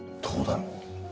どうだろう